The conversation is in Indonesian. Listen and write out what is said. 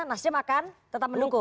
nasdem akan tetap mendukung